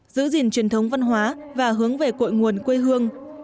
giữ gìn truyền thống văn hóa và hướng về cội nguồn quê hương